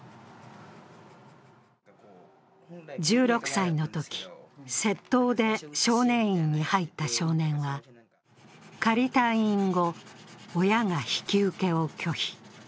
１６歳のとき、窃盗で少年院に入った少年は、仮退院後、親が引き受けを拒否。